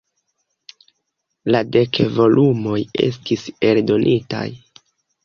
La dek volumoj estis eldonitaj.